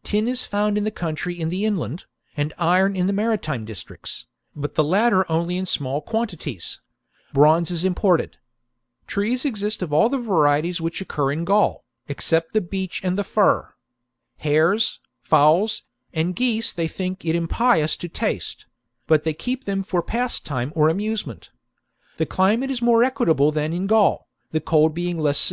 ^ Tin is found in the country in the inland, and iron in the maritime districts, but the latter only in small quantities ; bronze is imported. Trees exist of all the varieties which occur in Gaul, except the beech * and the fir. Hares, fowls, and geese they think it impious to taste ; but they keep them for pastime or amuse ment.^ The climate is more equable than in Gaul, the cold being less severe. 1 Reading ipsi. See C. E. C. Schneider's ed. , vol. ii. p. 56.